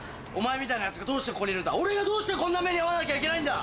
「俺がどうしてこんな目に遭わなきゃいけないんだ⁉」